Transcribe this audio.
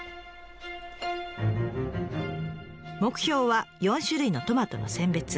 目標は４種類のトマトの選別。